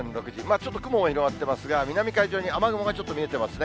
ちょっと雲に覆われてますが、南海上に雨雲がちょっと見えてますね。